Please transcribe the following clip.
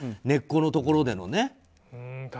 根っこのところでのね。